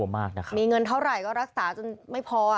มีเงินเท่าไหร่รักษาจนไม่พอ